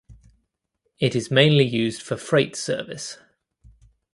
It is mainly used for freight service.